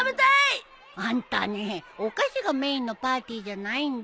あんたねえお菓子がメインのパーティーじゃないんだよ。